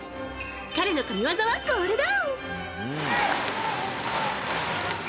彼の神技は、これだ。